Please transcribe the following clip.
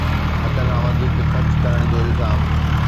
حد کان وڌيڪ خرچ ڪرڻ جو الزام